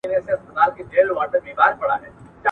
که ژباړه وي نو مطلب نه پټیږي.